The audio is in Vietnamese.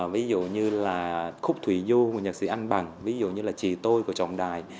ví dụ như là khúc thủy du của nhạc sĩ anh bằng ví dụ như là chị tôi của trọng đài